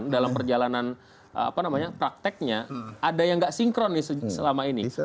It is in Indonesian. dalam perjalanan prakteknya ada yang nggak sinkron selama ini